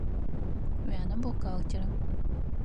Уянэ бухгалтера?